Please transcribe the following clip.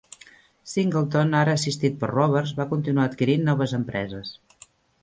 Singleton, ara assistit per Roberts, va continuar adquirint noves empreses.